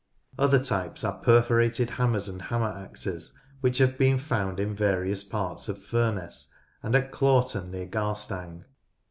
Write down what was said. Other types are perforated hammers and hammer axes, which have been found in various parts of Furness and at Claughton near Garstang.